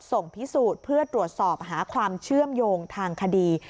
ส่งพิสูจน์เพื่อตรวจสอบหาความเชื่อมโยงทางคดี